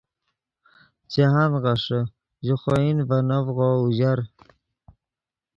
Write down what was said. جاہند غیݰے، ژے خوئن ڤے نڤغو اوژر